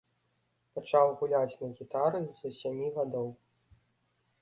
Пачаў гуляць на гітары з сямі гадоў.